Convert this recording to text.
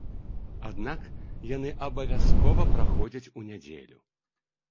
Аднак яны абавязкова праходзяць у нядзелю.